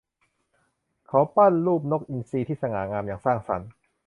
เขาปั้นรูปนกอินทรีที่สง่างามอย่างสร้างสรรค์